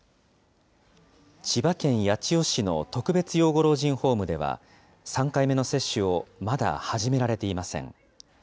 千葉県八千代市の特別養護老人ホームでは３回目の接種をまだ始められていません。